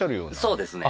そうですね